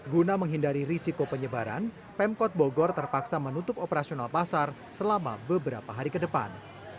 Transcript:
guna menghindari risiko penyebaran pemkot bogor terpaksa menutup operasional pasar selama beberapa hari ke depan